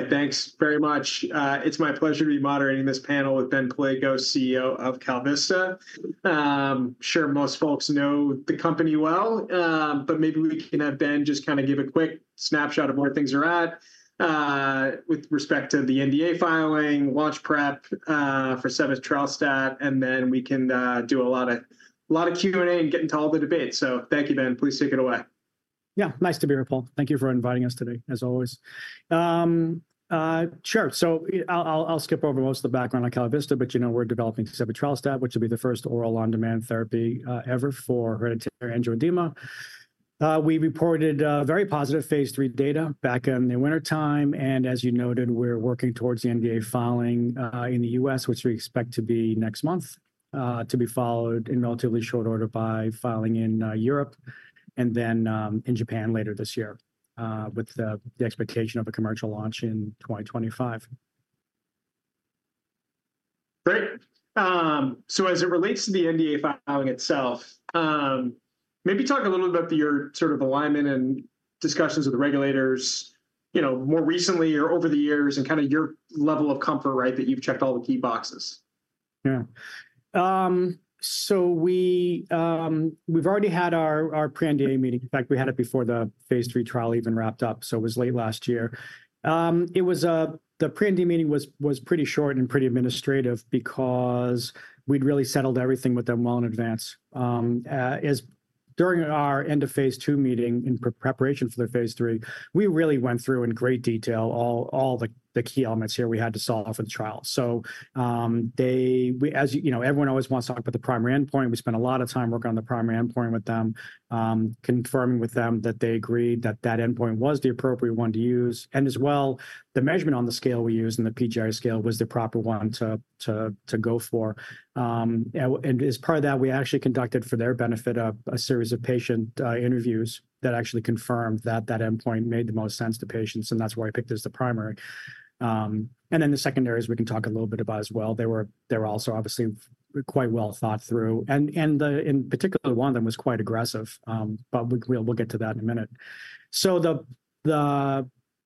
All right, thanks very much. It's my pleasure to be moderating this panel with Ben Palle, CEO of KalVista. Sure most folks know the company well, but maybe we can have Ben just kind of give a quick snapshot of where things are at with respect to the NDA filing, launch prep, for sebetralstat, and then we can do a lot of, lot of Q&A and get into all the debate. So thank you, Ben. Please take it away. Yeah. Nice to be here, Paul. Thank you for inviting us today, as always. Sure, so I'll skip over most of the background on KalVista, but you know we're developing sebetralstat, which will be the first oral on-demand therapy, ever for hereditary angioedema. We reported, very positive phase III data back in the wintertime, and as you noted, we're working towards the NDA filing, in the U.S., which we expect to be next month. To be followed in relatively short order by filing in, Europe, and then, in Japan later this year, with the expectation of a commercial launch in 2025. Great. So as it relates to the NDA filing itself, maybe talk a little about your sort of alignment and discussions with the regulators, you know, more recently or over the years, and kinda your level of comfort, right, that you've checked all the key boxes. Yeah. So we've already had our pre-NDA meeting. In fact, we had it before the phase III trial even wrapped up, so it was late last year. It was... The pre-NDA meeting was pretty short and pretty administrative because we'd really settled everything with them well in advance. And during our end-of-phase II meeting in preparation for the phase III, we really went through in great detail all the key elements here we had to solve for the trial. So, as you know, everyone always wants to talk about the primary endpoint. We spent a lot of time working on the primary endpoint with them, confirming with them that they agreed that that endpoint was the appropriate one to use, and as well, the measurement on the scale we used, and the PGA scale, was the proper one to go for. And as part of that, we actually conducted, for their benefit, a series of patient interviews that actually confirmed that that endpoint made the most sense to patients, and that's why I picked it as the primary. And then the secondaries, we can talk a little bit about as well. They were also obviously quite well thought through, and, in particular, one of them was quite aggressive. But we'll get to that in a minute. So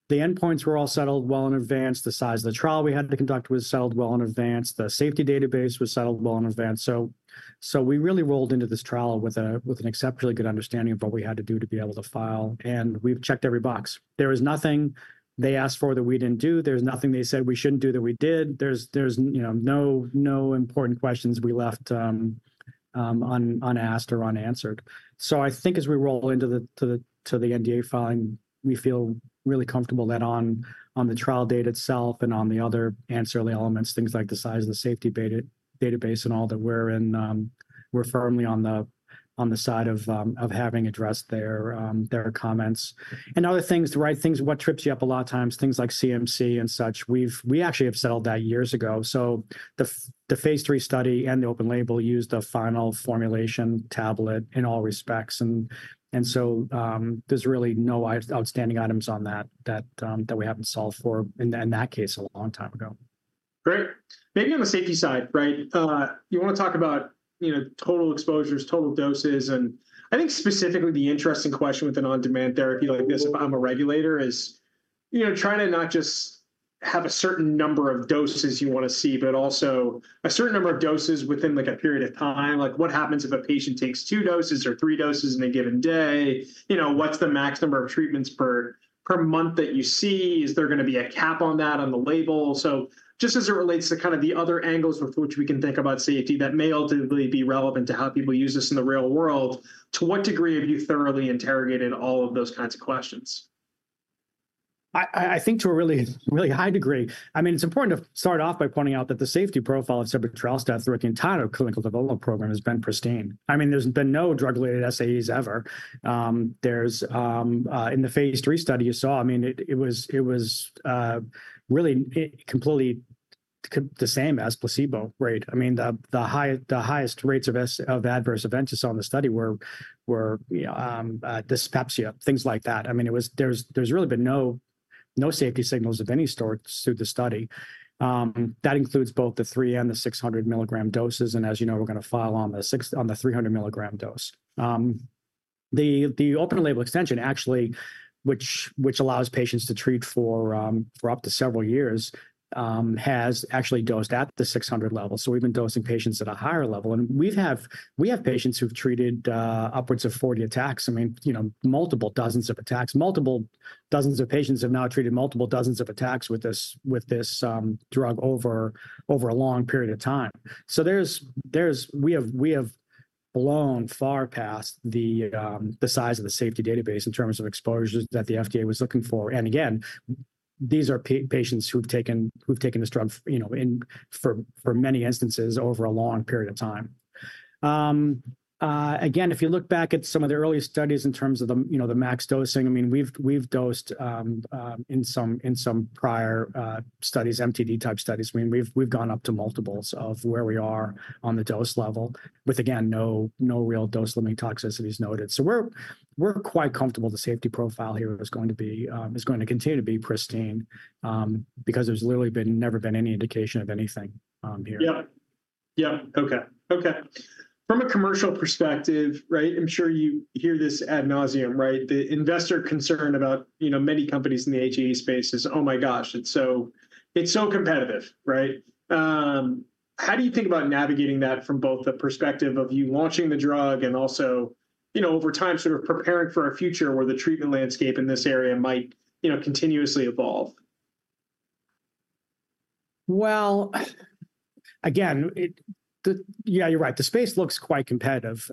the endpoints were all settled well in advance. The size of the trial we had to conduct was settled well in advance. The safety database was settled well in advance. So we really rolled into this trial with an exceptionally good understanding of what we had to do to be able to file, and we've checked every box. There is nothing they asked for that we didn't do. There's nothing they said we shouldn't do that we did. There's you know no important questions we left unasked or unanswered. So I think as we roll into the NDA filing, we feel really comfortable that on the trial data itself and on the other ancillary elements, things like the size of the safety database and all, that we're firmly on the side of having addressed their comments. And other things, the right things, what trips you up a lot of times, things like CMC and such, we've actually settled that years ago. So the phase III study and the open-label used a final formulation tablet in all respects, and so, there's really no outstanding items on that that we haven't solved for in that case a long time ago. Great. Maybe on the safety side, right, you wanna talk about, you know, total exposures, total doses, and I think specifically the interesting question with an on-demand therapy like this, if I'm a regulator, is, you know, trying to not just have a certain number of doses you wanna see, but also a certain number of doses within, like, a period of time. Like, what happens if a patient takes two doses or three doses in a given day? You know, what's the max number of treatments per month that you see? Is there gonna be a cap on that on the label? So just as it relates to kind of the other angles with which we can think about safety that may ultimately be relevant to how people use this in the real world, to what degree have you thoroughly interrogated all of those kinds of questions? I think to a really, really high degree. I mean, it's important to start off by pointing out that the safety profile of sebetralstat through the entire clinical development program has been pristine. I mean, there's been no drug-related SAEs ever. There's in the Phase III study you saw, I mean, it was really completely the same as placebo, right? I mean, the highest rates of adverse events you saw in the study were, you know, dyspepsia, things like that. I mean, it was... There's really been no safety signals of any sort through the study. That includes both the 300 and the 600 milligram doses, and as you know, we're gonna file on the 300 milligram dose. The open-label extension actually, which allows patients to treat for up to several years, has actually dosed at the 600 level, so we've been dosing patients at a higher level, and we have patients who've treated upwards of 40 attacks. I mean, you know, multiple dozens of attacks. Multiple dozens of patients have now treated multiple dozens of attacks with this drug over a long period of time. So there's... We have blown far past the size of the safety database in terms of exposures that the FDA was looking for, and again, these are patients who've taken this drug, you know, in for many instances over a long period of time. Again, if you look back at some of the early studies in terms of the, you know, the max dosing, I mean, we've dosed in some prior studies, MTD type studies. I mean, we've gone up to multiples of where we are on the dose level, with again no real dose-limiting toxicities noted. So we're quite comfortable the safety profile here is going to be is going to continue to be pristine, because there's literally never been any indication of anything here.... Yeah. Okay, okay. From a commercial perspective, right, I'm sure you hear this ad nauseam, right? The investor concern about, you know, many companies in the HAE space is, "Oh, my gosh, it's so, it's so competitive," right? How do you think about navigating that from both the perspective of you launching the drug and also, you know, over time, sort of preparing for a future where the treatment landscape in this area might, you know, continuously evolve? Well, again, yeah, you're right, the space looks quite competitive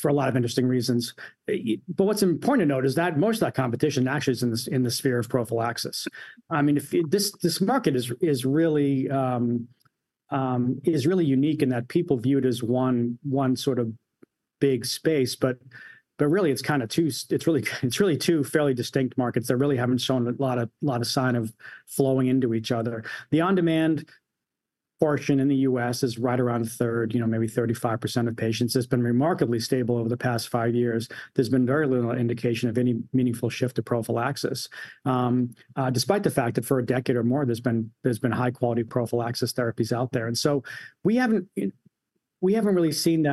for a lot of interesting reasons. But what's important to note is that most of that competition actually is in the sphere of prophylaxis. I mean, if this market is really unique in that people view it as one sort of big space, but really, it's kind of two, it's really two fairly distinct markets that really haven't shown a lot of sign of flowing into each other. The on-demand portion in the U.S. is right around a third, you know, maybe 35% of patients. It's been remarkably stable over the past five years. There's been very little indication of any meaningful shift to prophylaxis, despite the fact that for a decade or more, there's been high-quality prophylaxis therapies out there, and so we haven't really seen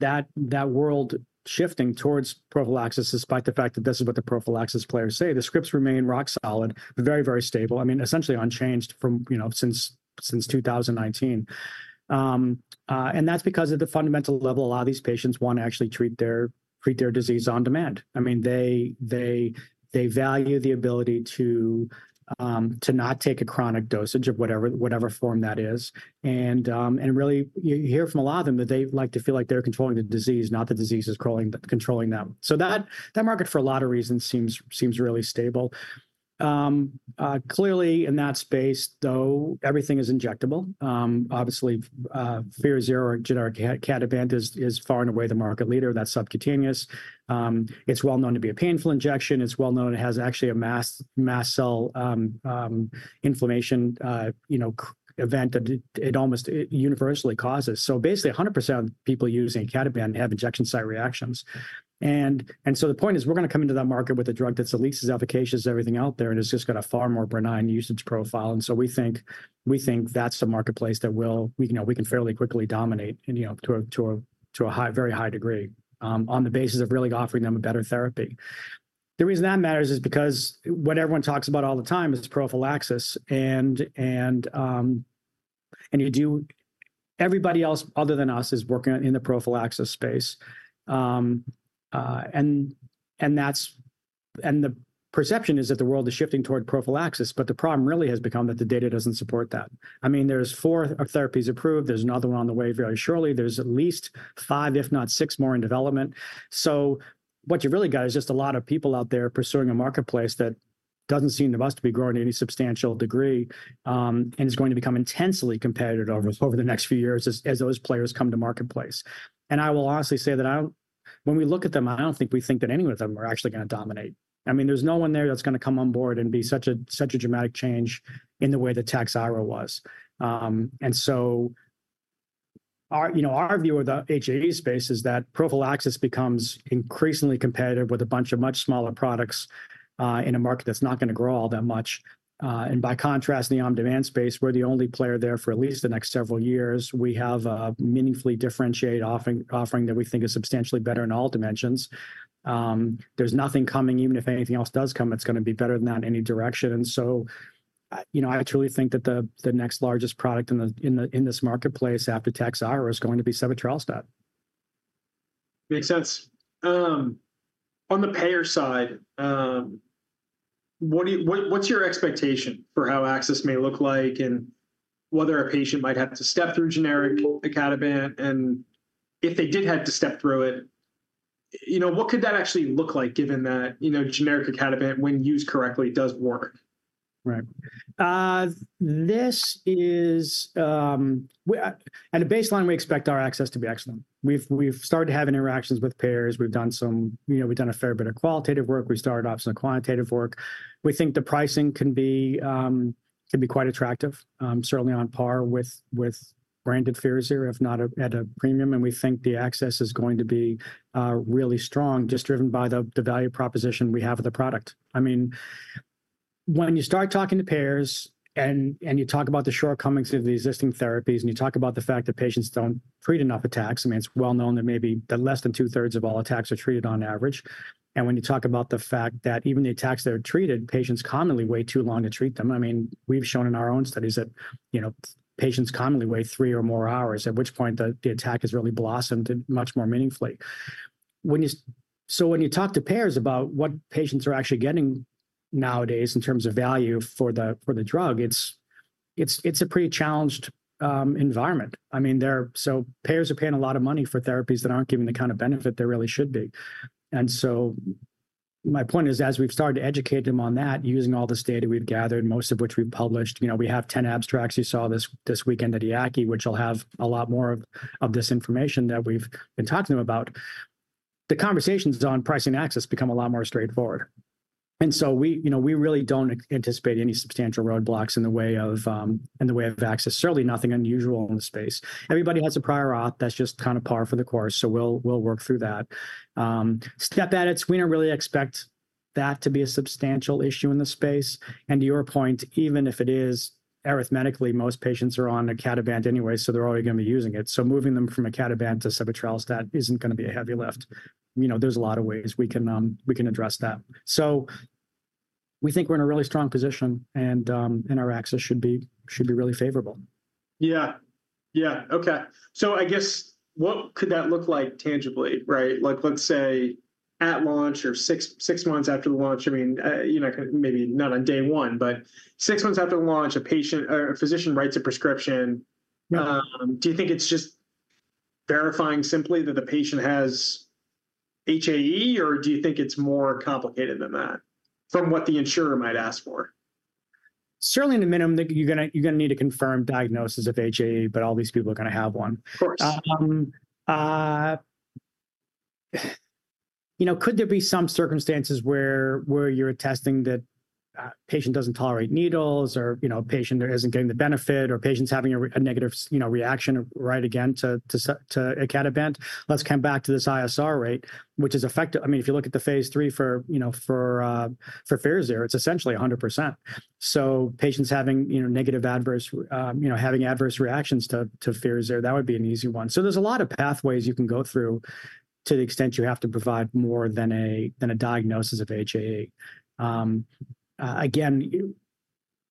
that world shifting towards prophylaxis, despite the fact that this is what the prophylaxis players say. The scripts remain rock solid, very, very stable, I mean, essentially unchanged from, you know, since 2019. And that's because at the fundamental level, a lot of these patients want to actually treat their disease on demand. I mean, they value the ability to not take a chronic dosage of whatever form that is, and really, you hear from a lot of them that they like to feel like they're controlling the disease, not the disease controlling them. So that market, for a lot of reasons, seems really stable. Clearly in that space, though, everything is injectable. Obviously, Firazyr generic icatibant is far and away the market leader. That's subcutaneous. It's well known to be a painful injection. It's well known it has actually a mast cell inflammation, you know, event that it almost universally causes. So basically, 100% of people using icatibant have injection site reactions. So the point is, we're gonna come into that market with a drug that's at least as efficacious as everything out there, and it's just got a far more benign usage profile, and so we think that's the marketplace that we'll, you know, we can fairly quickly dominate and, you know, to a very high degree, on the basis of really offering them a better therapy. The reason that matters is because what everyone talks about all the time is prophylaxis. Everybody else other than us is working in the prophylaxis space. The perception is that the world is shifting toward prophylaxis, but the problem really has become that the data doesn't support that. I mean, there's four therapies approved. There's another one on the way very shortly. There's at least five, if not six more, in development. So what you've really got is just a lot of people out there pursuing a marketplace that doesn't seem to us to be growing at any substantial degree, and is going to become intensely competitive over the next few years as those players come to marketplace. And I will honestly say that I don't, when we look at them, I don't think we think that any of them are actually gonna dominate. I mean, there's no one there that's gonna come on board and be such a, such a dramatic change in the way that Takhzyro was. And so our, you know, our view of the HAE space is that prophylaxis becomes increasingly competitive with a bunch of much smaller products, in a market that's not gonna grow all that much. And by contrast, in the on-demand space, we're the only player there for at least the next several years. We have a meaningfully differentiated offering, offering that we think is substantially better in all dimensions. There's nothing coming. Even if anything else does come, it's gonna be better than that in any direction. And so, you know, I truly think that the, the next largest product in the, in the, in this marketplace after Takhzyro is going to be sebetralstat. Makes sense. On the payer side, what do you... What, what's your expectation for how access may look like and whether a patient might have to step through generic icatibant, and if they did have to step through it, you know, what could that actually look like, given that, you know, generic icatibant, when used correctly, does work? Right. This is, at a baseline, we expect our access to be excellent. We've, we've started having interactions with payers. We've done some, you know, we've done a fair bit of qualitative work. We started off some quantitative work. We think the pricing can be, can be quite attractive, certainly on par with, with branded peers here, if not at a, at a premium, and we think the access is going to be, really strong, just driven by the, the value proposition we have of the product. I mean, when you start talking to payers and, and you talk about the shortcomings of the existing therapies, and you talk about the fact that patients don't treat enough attacks, I mean, it's well known that maybe less than two-thirds of all attacks are treated on average. And when you talk about the fact that even the attacks that are treated, patients commonly wait too long to treat them. I mean, we've shown in our own studies that, you know, patients commonly wait 3 or more hours, at which point the attack has really blossomed much more meaningfully. When you so when you talk to payers about what patients are actually getting nowadays in terms of value for the, for the drug, it's a pretty challenged environment. I mean, they're so payers are paying a lot of money for therapies that aren't giving the kind of benefit they really should be. And so my point is, as we've started to educate them on that, using all this data we've gathered, most of which we've published, you know, we have 10 abstracts. You saw this, this weekend at EAACI, which will have a lot more of, of this information that we've been talking to them about. The conversations on pricing access become a lot more straightforward. And so we, you know, we really don't anticipate any substantial roadblocks in the way of, in the way of access, certainly nothing unusual in the space. Everybody has a prior auth that's just kind of par for the course, so we'll, we'll work through that. Step edits, we don't really expect that to be a substantial issue in the space, and to your point, even if it is, arithmetically, most patients are on icatibant anyway, so they're already gonna be using it. So moving them from icatibant to sebetralstat isn't gonna be a heavy lift. You know, there's a lot of ways we can, we can address that. So we think we're in a really strong position, and our access should be really favorable. Yeah. Yeah, okay. So I guess what could that look like tangibly, right? Like, let's say at launch or 6, 6 months after the launch, I mean, you know, maybe not on day one, but 6 months after launch, a patient or a physician writes a prescription. Yeah. Do you think it's just verifying simply that the patient has HAE, or do you think it's more complicated than that, from what the insurer might ask for? Certainly in the minimum that you're gonna, you're gonna need to confirm diagnosis of HAE, but all these people are gonna have one. Of course. You know, could there be some circumstances where you're attesting that a patient doesn't tolerate needles or, you know, a patient isn't getting the benefit or patient's having a negative reaction right again to icatibant? Let's come back to this ISR rate, which is effective. I mean, if you look at the phase three for, you know, for Firazyr, it's essentially 100%. So patients having, you know, negative, adverse, you know, having adverse reactions to Firazyr, that would be an easy one. So there's a lot of pathways you can go through to the extent you have to provide more than a diagnosis of HAE. Again,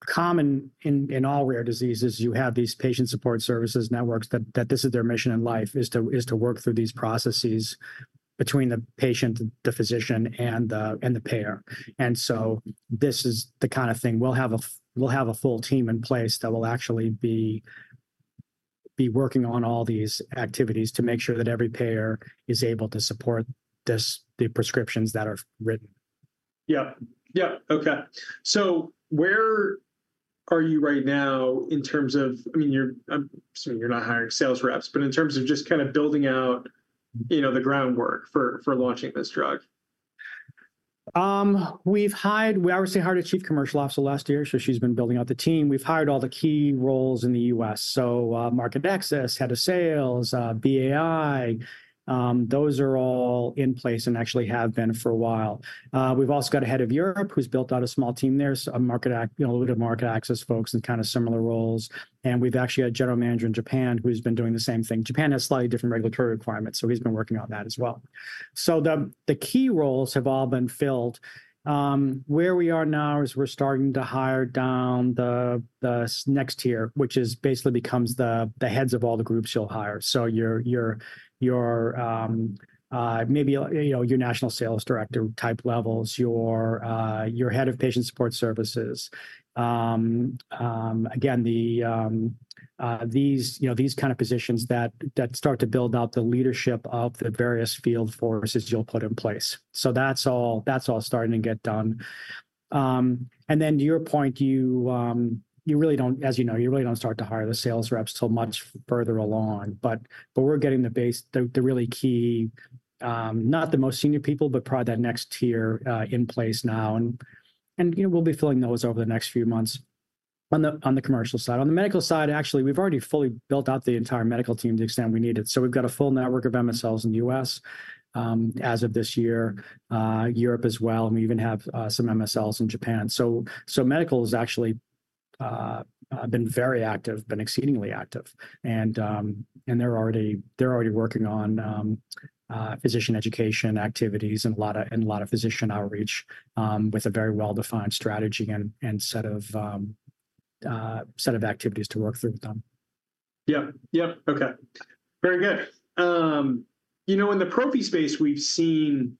common in all rare diseases, you have these patient support services networks, that this is their mission in life, is to work through these processes between the patient, the physician, and the payer. And so this is the kind of thing. We'll have a full team in place that will actually be working on all these activities to make sure that every payer is able to support this, the prescriptions that are written. Yep. Yep. Okay. So where are you right now in terms of, I mean, you're assuming you're not hiring sales reps, but in terms of just kind of building out, you know, the groundwork for launching this drug? We've obviously hired a chief commercial officer last year, so she's been building out the team. We've hired all the key roles in the U.S., so market access, head of sales, BAI, those are all in place and actually have been for a while. We've also got a head of Europe who's built out a small team there, so a market access you know, a little bit of market access folks and kind of similar roles. We've actually got a general manager in Japan who's been doing the same thing. Japan has slightly different regulatory requirements, so he's been working on that as well. The key roles have all been filled. Where we are now is we're starting to hire down the second next tier, which basically becomes the heads of all the groups you'll hire. So your maybe, you know, your national sales director type levels, your head of patient support services. Again, these, you know, these kind of positions that start to build out the leadership of the various field forces you'll put in place. So that's all, that's all starting to get done. And then to your point, you really don't, as you know, you really don't start to hire the sales reps till much further along. But we're getting the base, the really key, not the most senior people, but probably that next tier in place now, and you know, we'll be filling those over the next few months on the commercial side. On the medical side, actually, we've already fully built out the entire medical team to the extent we need it. So we've got a full network of MSLs in the U.S., as of this year, Europe as well, and we even have some MSLs in Japan. So medical has actually been very active, been exceedingly active, and they're already working on physician education activities and a lot of physician outreach, with a very well-defined strategy and set of activities to work through with them. Yep, yep. Okay, very good. You know, in the prophy space, we've seen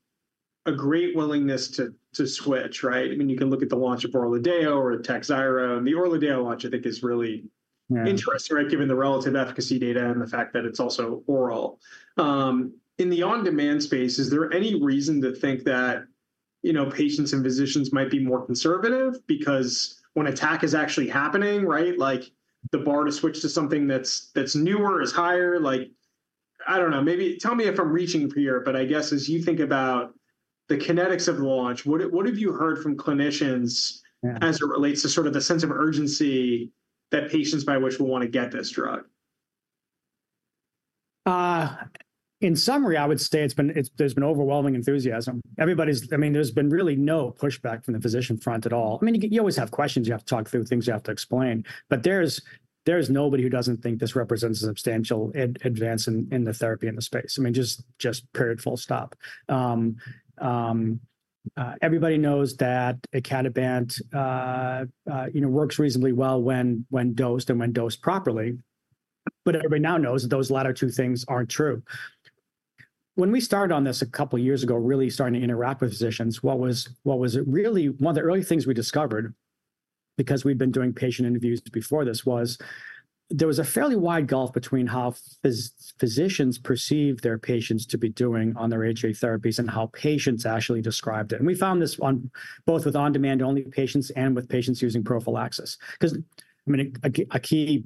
a great willingness to switch, right? I mean, you can look at the launch of Orladeyo or Takhzyro, and the Orladeyo launch, I think, is really- Yeah... interesting, right? Given the relative efficacy data and the fact that it's also oral. In the on-demand space, is there any reason to think that, you know, patients and physicians might be more conservative? Because when attack is actually happening, right, like, the bar to switch to something that's, that's newer is higher. Like, I don't know, maybe tell me if I'm reaching here, but I guess as you think about the kinetics of launch, what have, what have you heard from clinicians- Yeah... as it relates to sort of the sense of urgency that patients by which will want to get this drug? In summary, I would say it's been, there's been overwhelming enthusiasm. Everybody's—I mean, there's been really no pushback from the physician front at all. I mean, you, you always have questions, you have to talk through, things you have to explain, but there's, there's nobody who doesn't think this represents a substantial advance in, in the therapy, in the space. I mean, just, just period, full stop. Everybody knows that icatibant, you know, works reasonably well when, when dosed and when dosed properly, but everybody now knows that those latter two things aren't true. When we started on this a couple of years ago, really starting to interact with physicians, what was, what was really... One of the early things we discovered, because we'd been doing patient interviews before this, was there was a fairly wide gulf between how physicians perceived their patients to be doing on their HAE therapies and how patients actually described it. We found this on both with on-demand-only patients and with patients using prophylaxis. 'Cause, I mean, a key,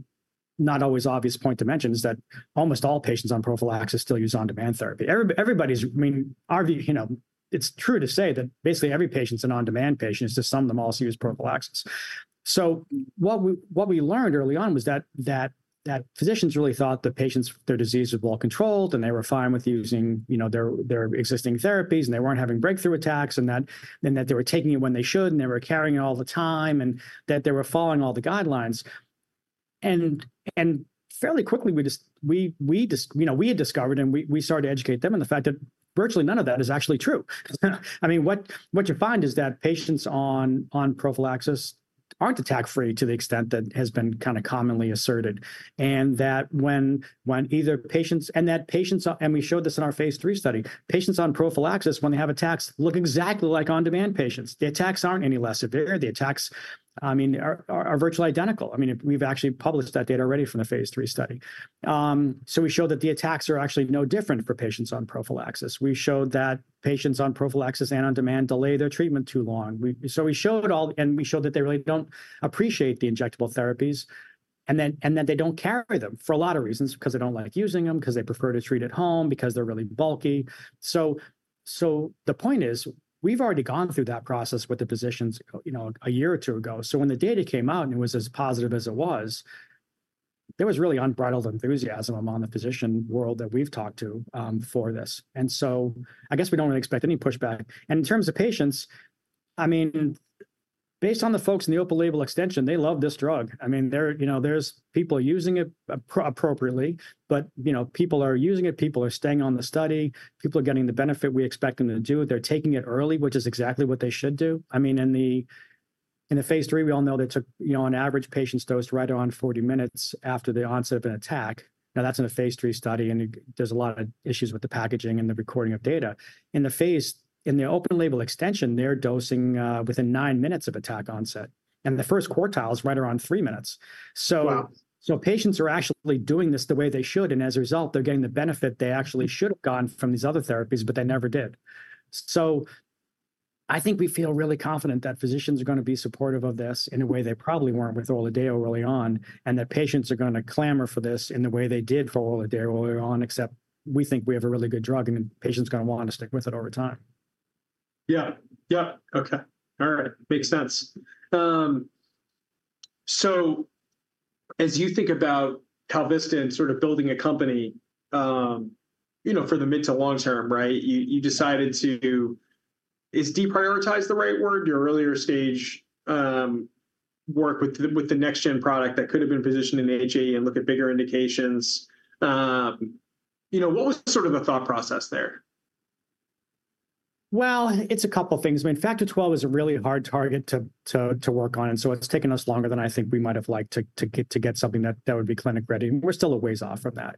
not always obvious point to mention, is that almost all patients on prophylaxis still use on-demand therapy. Everybody's, I mean, our view, you know, it's true to say that basically every patient's an on-demand patient, is just some of them also use prophylaxis.... So what we learned early on was that physicians really thought that patients' disease was well-controlled, and they were fine with using, you know, their existing therapies, and they weren't having breakthrough attacks, and that they were taking it when they should, and they were carrying it all the time, and that they were following all the guidelines. And fairly quickly, you know, we had discovered, and we started to educate them on the fact that virtually none of that is actually true. I mean, what you find is that patients on prophylaxis aren't attack-free to the extent that has been kinda commonly asserted, and that when either patients... That patients on, and we showed this in our phase three study, patients on prophylaxis, when they have attacks, look exactly like on-demand patients. The attacks aren't any less severe. The attacks, I mean, are virtually identical. I mean, we've actually published that data already from the phase three study. So we showed that the attacks are actually no different for patients on prophylaxis. We showed that patients on prophylaxis and on-demand delay their treatment too long. We showed that they really don't appreciate the injectable therapies, and that they don't carry them, for a lot of reasons: 'cause they don't like using them, 'cause they prefer to treat at home, because they're really bulky. So the point is, we've already gone through that process with the physicians, you know, a year or two ago. So when the data came out, and it was as positive as it was, there was really unbridled enthusiasm among the physician world that we've talked to for this. And so I guess we don't really expect any pushback. And in terms of patients, I mean, based on the folks in the open-label extension, they love this drug. I mean, there... You know, there's people using it appropriately, but, you know, people are using it, people are staying on the study. People are getting the benefit we expect them to do. They're taking it early, which is exactly what they should do. I mean, in the phase III, we all know they took, you know, on average, patients dosed right around 40 minutes after the onset of an attack. Now, that's in a phase three study, and it, there's a lot of issues with the packaging and the recording of data. In the phase, in the open-label extension, they're dosing within nine minutes of attack onset, and the first quartile is right around three minutes. So- Wow!... so patients are actually doing this the way they should, and as a result, they're getting the benefit they actually should have gotten from these other therapies, but they never did. So I think we feel really confident that physicians are gonna be supportive of this in a way they probably weren't with Orladeyo early on, and that patients are gonna clamor for this in the way they did for Orladeyo early on, except we think we have a really good drug, and the patients are gonna want to stick with it over time. Yeah. Yep, okay. All right, makes sense. So as you think about KalVista and sort of building a company, you know, for the mid to long term, right? You decided to... Is deprioritize the right word, your earlier stage, work with the, with the next gen product that could have been positioned in HAE and look at bigger indications? You know, what was sort of the thought process there? Well, it's a couple things. I mean, Factor XII is a really hard target to work on, and so it's taken us longer than I think we might have liked to get something that would be clinic-ready. We're still a ways off from that.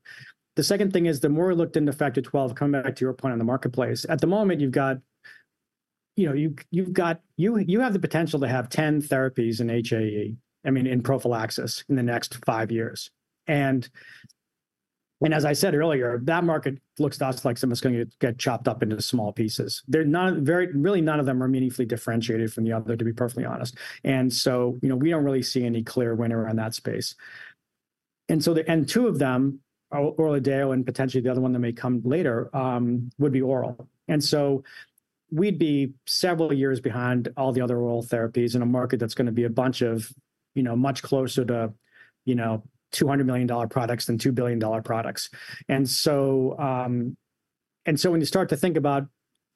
The second thing is, the more I looked into Factor XII, coming back to your point on the marketplace, at the moment, you've got, you know, you have the potential to have 10 therapies in HAE, I mean, in prophylaxis, in the next 5 years. And as I said earlier, that market looks to us like something that's gonna get chopped up into small pieces. There are none, very, really none of them are meaningfully differentiated from the other, to be perfectly honest. And so, you know, we don't really see any clear winner in that space. And so and 2 of them, Orladeyo and potentially the other one that may come later, would be oral. And so we'd be several years behind all the other oral therapies in a market that's gonna be a bunch of, you know, much closer to, you know, $200 million products than $2 billion products. And so when you start to think about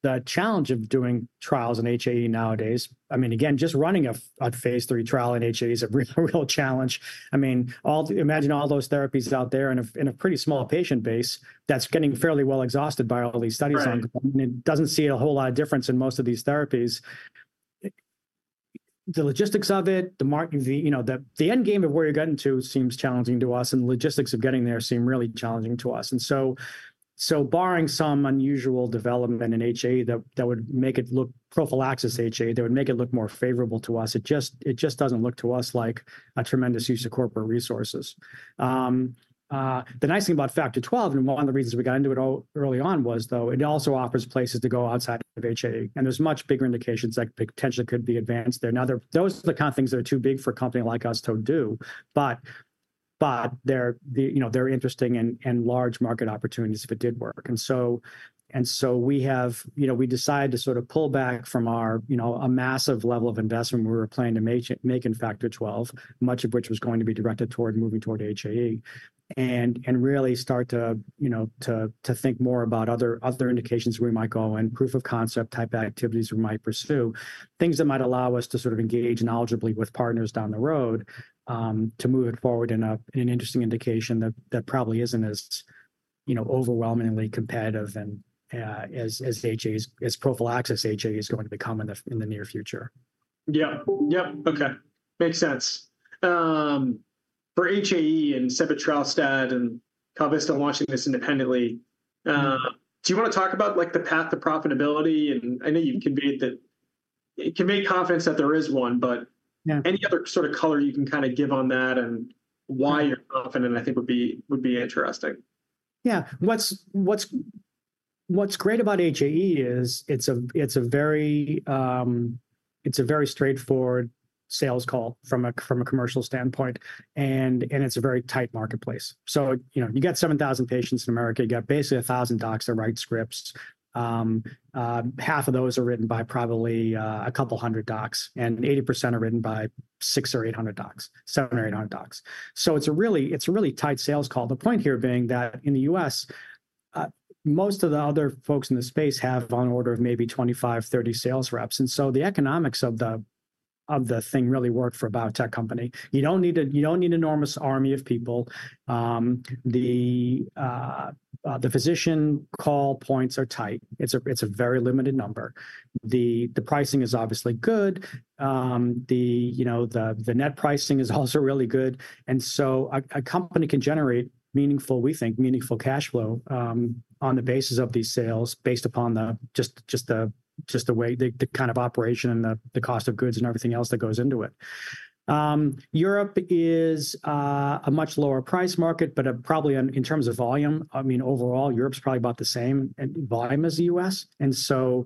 the challenge of doing trials in HAE nowadays, I mean, again, just running a phase 3 trial in HAE is a real, real challenge. I mean, all the... Imagine all those therapies out there in a pretty small patient base that's getting fairly well exhausted by all these studies- Right... and it doesn't see a whole lot of difference in most of these therapies. The logistics of it, the market, you know, the end game of where you're getting to seems challenging to us, and the logistics of getting there seem really challenging to us. So barring some unusual development in HAE that would make prophylaxis HAE look more favorable to us, it just doesn't look to us like a tremendous use of corporate resources. The nice thing about Factor XII, and one of the reasons we got into it early on was, though, it also offers places to go outside of HAE, and there's much bigger indications that potentially could be advanced there. Now, those are the kind of things that are too big for a company like us to do, but they're, you know, they're interesting and large market opportunities if it did work. And so we have, you know, we decided to sort of pull back from our, you know, a massive level of investment we were planning to make in Factor XII, much of which was going to be directed toward moving toward HAE, and really start to, you know, to think more about other indications we might go and proof-of-concept type activities we might pursue. Things that might allow us to sort of engage knowledgeably with partners down the road, to move it forward in an interesting indication that probably isn't as, you know, overwhelmingly competitive and, as HAE is, as prophylaxis HAE is going to become in the near future. Yeah. Yep, okay. Makes sense. For HAE and sebetralstat and KalVista watching this independently, do you wanna talk about, like, the path to profitability? And I know you conveyed that, you conveyed confidence that there is one, but- Yeah... any other sort of color you can kinda give on that, and why you're confident, I think would be, would be interesting. Yeah. What's great about HAE is it's a very straightforward sales call from a commercial standpoint, and it's a very tight marketplace. So, you know, you got 7,000 patients in America, you got basically 1,000 docs that write scripts. Half of those are written by probably a couple hundred docs, and 80% are written by 600 or 800 docs, 700 or 800 docs. So it's a really tight sales call. The point here being that in the U.S., most of the other folks in the space have on order of maybe 25, 30 sales reps, and so the economics of the thing really work for a biotech company. You don't need an enormous army of people. The physician call points are tight. It's a very limited number. The pricing is obviously good. The, you know, the net pricing is also really good, and so a company can generate meaningful, we think, meaningful cash flow on the basis of these sales, based upon the way, the kind of operation and the cost of goods and everything else that goes into it. Europe is a much lower price market, but probably in terms of volume, I mean, overall, Europe's probably about the same in volume as the U.S., and so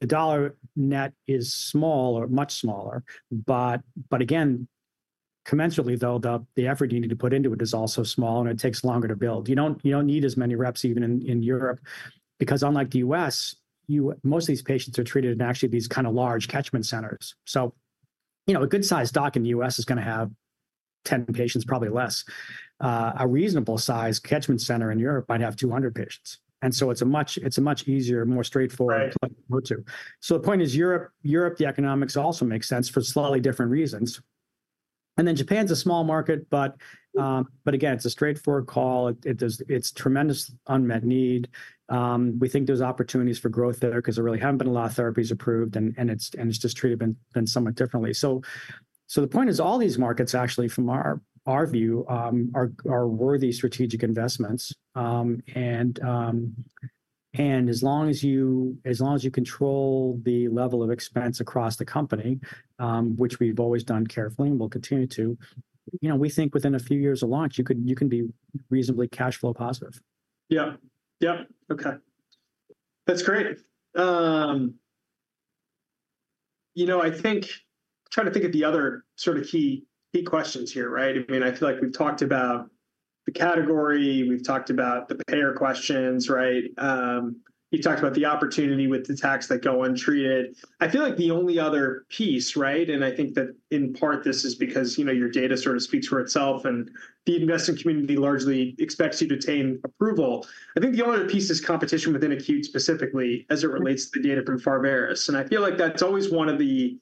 the dollar net is small or much smaller. But again, commensurately, though, the effort you need to put into it is also small, and it takes longer to build. You don't, you don't need as many reps even in, in Europe, because unlike the U.S., you- most of these patients are treated in actually these kind of large catchment centers. So, you know, a good-sized doc in the U.S. is gonna have 10 patients, probably less. A reasonable-sized catchment center in Europe might have 200 patients, and so it's a much, it's a much easier, more straightforward- Right -to go to. So the point is, Europe, Europe, the economics also makes sense for slightly different reasons. And then Japan's a small market, but, but again, it's a straightforward call. It's tremendous unmet need. We think there's opportunities for growth there 'cause there really haven't been a lot of therapies approved, and it's just been treated somewhat differently. So the point is, all these markets, actually, from our view, are worthy strategic investments. And as long as you control the level of expense across the company, which we've always done carefully and will continue to, you know, we think within a few years of launch, you can be reasonably cash flow positive. Yeah. Yep, okay. That's great. You know, I think, trying to think of the other sort of key, key questions here, right? I mean, I feel like we've talked about the category, we've talked about the payer questions, right? You talked about the opportunity with the attacks that go untreated. I feel like the only other piece, right, and I think that in part this is because, you know, your data sort of speaks for itself, and the investing community largely expects you to obtain approval. I think the only other piece is competition within acute, specifically as it relates to the data from Pharvaris, and I feel like that's always one of the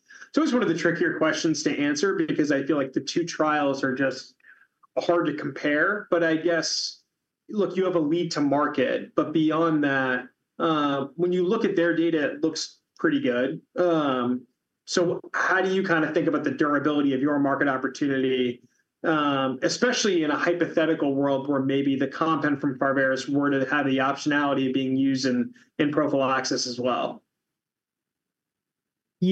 trickier questions to answer because I feel like the two trials are just hard to compare. But I guess, look, you have a lead to market, but beyond that, when you look at their data, it looks pretty good. So how do you kind of think about the durability of your market opportunity, especially in a hypothetical world where maybe the compound from Pharvaris were to have the optionality of being used in, in prophylaxis as well?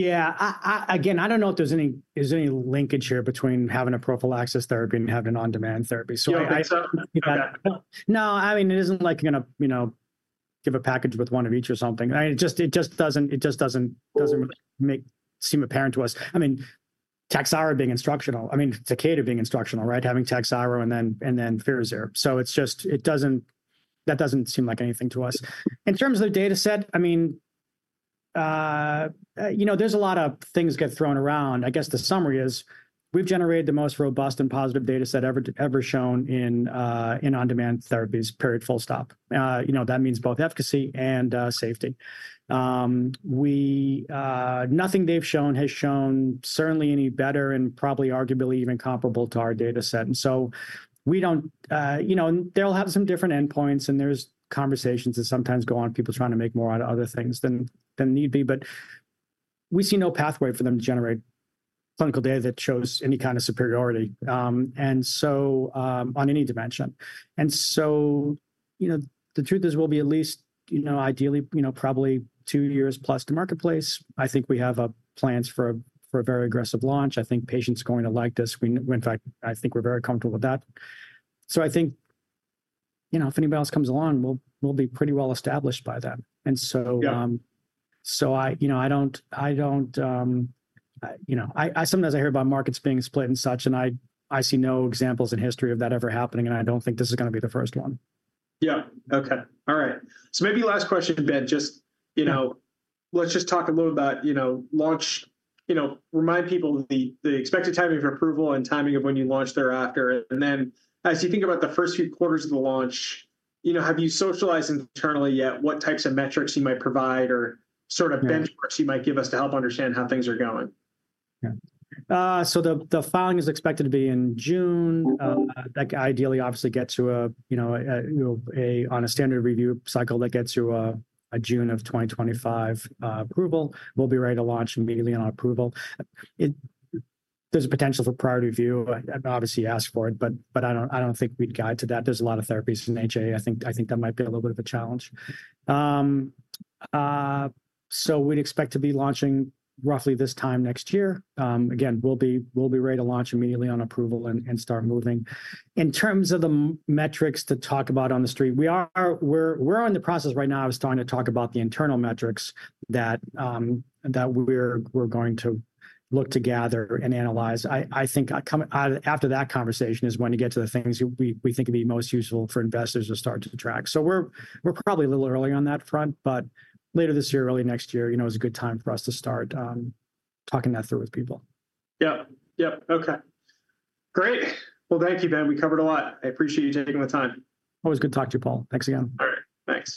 Yeah. Again, I don't know if there's any linkage here between having a prophylaxis therapy and having an on-demand therapy. So I- Yeah, I saw that. No, I mean, it isn't like you're gonna, you know, give a package with one of each or something. I, it just, it just doesn't, it just doesn't- Mm... doesn't make seem apparent to us. I mean, Takhzyro being instructional, I mean, Takeda being instructional, right? Having Takhzyro and then, and then Firazyr. So it's just, that doesn't seem like anything to us. In terms of the data set, I mean, you know, there's a lot of things get thrown around. I guess the summary is we've generated the most robust and positive data set ever, ever shown in, in on-demand therapies, period, full stop. You know, that means both efficacy and, safety. Nothing they've shown has shown certainly any better and probably arguably even comparable to our data set, and so we don't... You know, and they all have some different endpoints, and there's conversations that sometimes go on, people trying to make more out of other things than need be. But we see no pathway for them to generate clinical data that shows any kind of superiority, and so, on any dimension. And so, you know, the truth is we'll be at least, you know, ideally, you know, probably 2 years plus to marketplace. I think we have plans for a very aggressive launch. I think patients are going to like this. In fact, I think we're very comfortable with that. So I think, you know, if anybody else comes along, we'll be pretty well-established by then. And so, Yeah... so, you know, I sometimes hear about markets being split and such, and I see no examples in history of that ever happening, and I don't think this is gonna be the first one. Yeah, okay. All right. So maybe last question, Ben, just, you know, let's just talk a little about, you know, launch. You know, remind people the expected timing of approval and timing of when you launch thereafter. And then, as you think about the first few quarters of the launch, you know, have you socialized internally yet what types of metrics you might provide or sort of- Yeah... benchmarks you might give us to help understand how things are going? Yeah. So the filing is expected to be in June. That ideally, obviously, get to a, you know, on a standard review cycle that gets you a June of 2025 approval. We'll be ready to launch immediately on approval. There's a potential for priority review, I'd obviously ask for it, but I don't think we'd guide to that. There's a lot of therapies in HA. I think that might be a little bit of a challenge. So we'd expect to be launching roughly this time next year. Again, we'll be ready to launch immediately on approval and start moving. In terms of the metrics to talk about on the street, we're in the process right now of starting to talk about the internal metrics that we're going to look to gather and analyze. I think after that conversation is when you get to the things we think would be most useful for investors to start to track. So we're probably a little early on that front, but later this year, early next year, you know, is a good time for us to start talking that through with people. Yep, yep. Okay, great! Well, thank you, Ben. We covered a lot. I appreciate you taking the time. Always good talking to you, Paul. Thanks again. All right. Thanks.